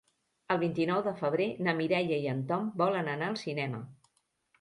El vint-i-nou de febrer na Mireia i en Tom volen anar al cinema.